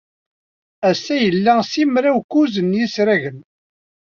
Ass ila simraw-kuẓ n yisragen.